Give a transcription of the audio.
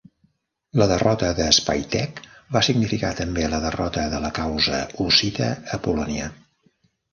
La derrota de Spytek va significar també la derrota de la causa hussita a Polònia.